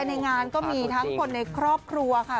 ในงานก็มีทั้งคนในครอบครัวค่ะ